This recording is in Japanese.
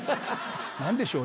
何でしょう？